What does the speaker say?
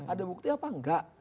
ada bukti apa enggak